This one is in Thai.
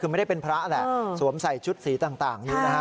ไม่ได้เป็นพระแหละสวมใส่ชุดสีต่างอยู่นะ